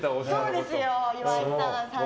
そうですよ、岩井さん。